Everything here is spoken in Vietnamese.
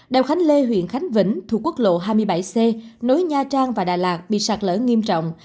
đèo khánh lê huyện khánh vĩnh thuộc quốc lộ hai mươi bảy c nối nha trang và đà lạt bị sạt lở nghiêm trọng